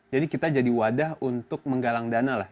jadi kita jadi wadah untuk menggalang dana lah